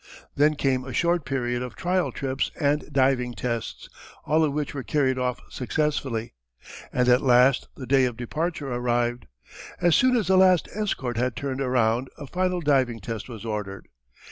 Then came a short period of trial trips and diving tests, all of which were carried off successfully, and at last the day of departure arrived. As soon as the last escort had turned around a final diving test was ordered.